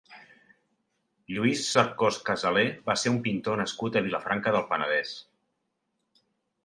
Lluís Cercós Casalé va ser un pintor nascut a Vilafranca del Penedès.